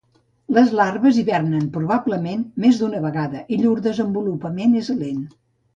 Les larves hivernen, probablement, més d'una vegada i llur desenvolupament és lent.